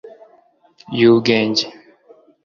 y'ubwenge